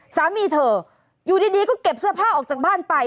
สามีเธออยู่ดีก็เก็บเสื้อผ้าออกจากบ้านไป